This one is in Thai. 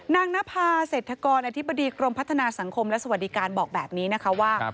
นางนภาเศรษฐกรอธิบดีกรมพัฒนาสังคมและสวัสดิการบอกแบบนี้นะคะว่า